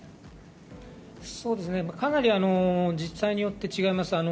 かなり自治体によって違います。